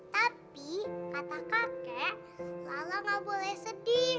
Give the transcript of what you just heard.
tapi kata kakek lala nggak boleh sedih